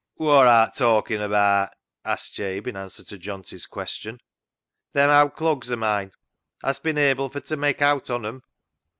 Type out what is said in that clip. " Wor art talkin' abaat ?" asked Jabe in answer to Johnty's question. " Them owd clugs o' mine. Hast bin able for t' mak' owt on 'em